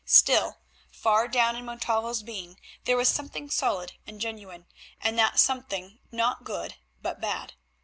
Still, far down in Montalvo's being there was something solid and genuine, and that something not good but bad.